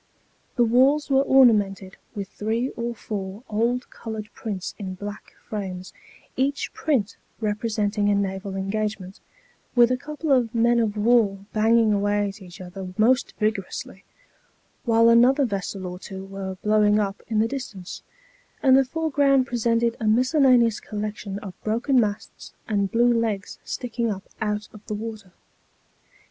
The walls were ornamented with three or four old coloured prints in black frames, each print representing a naval engagement, with a couple of men of war banging away at each other most vigorously, while another vessel or two were blowing up in the distance, and the foreground presented a mis cellaneous collection of broken masts and blue legs sticking up out of the water.